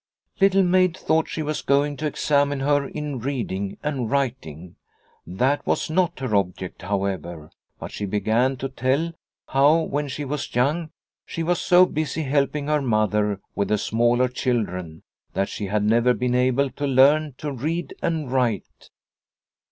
Little Maid thought she was going to examine her in reading and writing. That was not her object, however, but she began to tell how when she was young she was so busy helping her mother with the smaller children that she had never been able to learn to read and write.